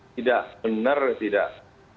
tidak benar tidak benar